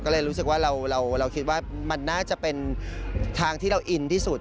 ก็เลยรู้สึกว่าเราคิดว่ามันน่าจะเป็นทางที่เราอินที่สุด